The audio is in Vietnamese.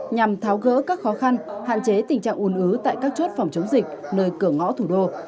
nhằm tháo gỡ các khó khăn hạn chế tình trạng ủn ứ tại các chốt phòng chống dịch nơi cửa ngõ thủ đô